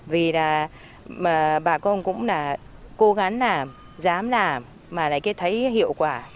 vì là mà bà con cũng là cố gắng làm dám làm mà lại thấy hiệu quả